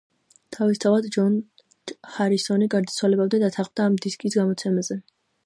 თავისთავად, ჯორჯ ჰარისონი გარდაცვალებამდე დათანხმდა ამ დისკის გამოცემაზე.